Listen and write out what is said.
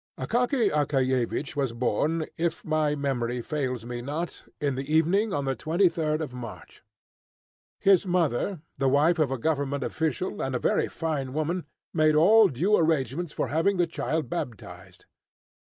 Akaky Akakiyevich was born, if my memory fails me not, in the evening on the 23rd of March. His mother, the wife of a Government official, and a very fine woman, made all due arrangements for having the child baptised.